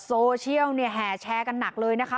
โซเชียลเนี่ยแห่แชร์กันหนักเลยนะคะ